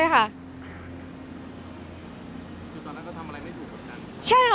คือตอนนั้นเขาทำอะไรไม่ถูกแบบนั้น